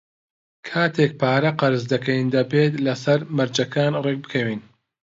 کاتێک پارە قەرز دەکەین، دەبێت لەسەر مەرجەکان ڕێکبکەوین.